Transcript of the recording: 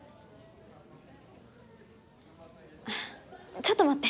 ちょっと待って。